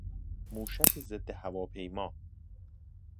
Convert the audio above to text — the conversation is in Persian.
موشک ضدهواپیما